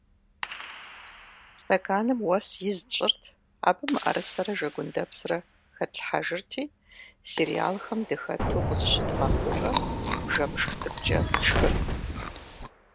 Стэканым уэс из тщӏырт, абы мыӏэрысэрэ жэгундэпсрэ хэтлъхьэжырти, сериалхэм дыхэту къызыщыдгъэхъуурэ бжэмышх цӏыкӏукӏэ тшхырт.